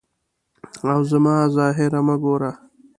او زما ظاهر مه ګوره.